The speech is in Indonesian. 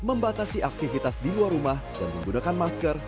membatasi aktivitas di luar rumah dan menggunakan masker